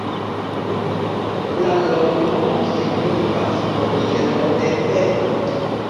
La loknomo signifas: foiro de Petro.